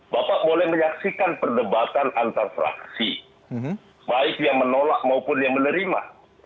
bapak boleh menyaksikan perdebatan antar fraksi baik yang menolak maupun yang menerima